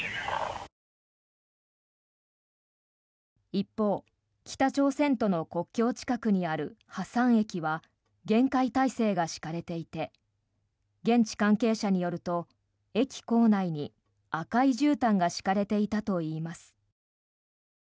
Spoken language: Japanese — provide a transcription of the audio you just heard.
一方、北朝鮮との国境近くにあるハサン駅は厳戒態勢が敷かれていて現地関係者によると駅構内に赤いじゅうたんが敷かれていたといいます。